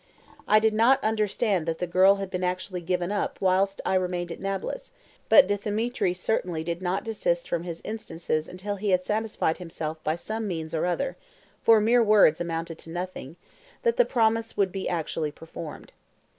I did not understand that the girl had been actually given up whilst I remained at Nablus, but Dthemetri certainly did not desist from his instances until he had satisfied himself by some means or other (for mere words amounted to nothing) that the promise would be actually performed.